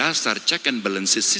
atau mundur mundur di dua ribu lima